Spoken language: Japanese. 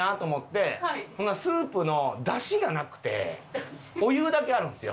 ほなスープの出汁がなくてお湯だけあるんですよ。